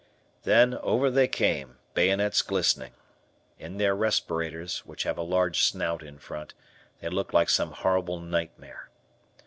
Then over they came, bayonets glistening. In their respirators, which have a large snout in front, they looked like some horrible nightmare.